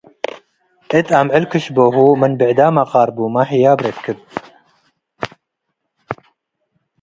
እት አምዕል ክሽቦሁ ምን ብዕዳም አቃርቡመ ህያብ ረክብ ።